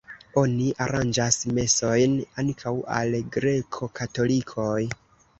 Oni aranĝas mesojn ankaŭ al greko-katolikoj.